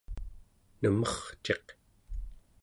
nemerciq